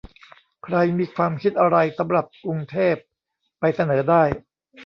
ใครมีความคิดอะไรสำหรับกรุงเทพ ไปเสนอได้